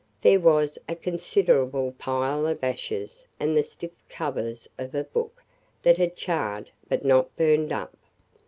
There was a considerable pile of ashes and the stiff covers of a book that had charred but not burned up.